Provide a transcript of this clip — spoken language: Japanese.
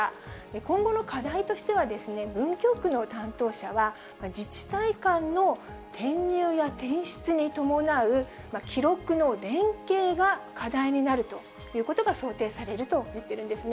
今後の課題としては、文京区の担当者は、自治体間の転入や転出に伴う、記録の連携が課題になるということが想定されると言っているんですね。